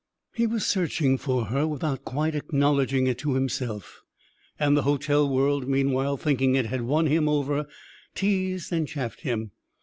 He was searching for her without quite acknowledging it to himself; and the hotel world, meanwhile, thinking it had won him over, teased and chaffed him.